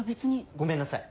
ごめんなさい。